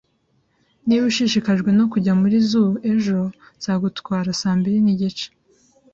Niba ushishikajwe no kujya muri zoo ejo, nzagutwara saa mbiri nigice.